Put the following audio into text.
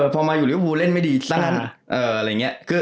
พอมาอยู่ริวภูเล่นไม่ดีซะ